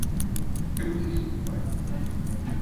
É hoje o jogo pai?